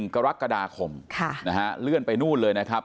กรกฎาคมเลื่อนไปนู่นเลยนะครับ